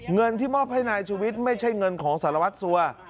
เงินที่มอบให้นายชุวิตไม่ใช่เงินของสารวัตรสัว